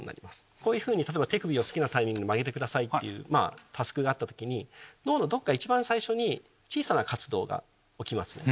こういうふうに例えば手首を好きなタイミングで曲げてくださいっていうタスクがあった時に脳のどっか一番最初に小さな活動が起きますね。